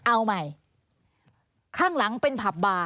เอาใหม่ข้างหลังเป็นผับบาร์